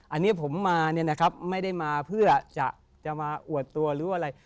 อันนี้ผมมาเนี่ยนะครับไม่ได้มาเพื่อจะมาอวดตัวหรืออะไร